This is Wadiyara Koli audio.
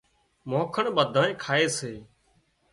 مانکڻ ٻڌانئين کائي سي